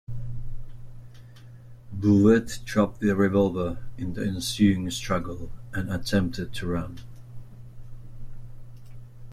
Bouvet dropped the revolver in the ensuing struggle and attempted to run.